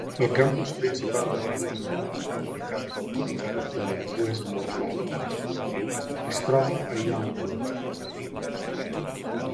El Campus principal de la Universitat de la comunitat del comtat de Westmoreland es troba a Youngwood.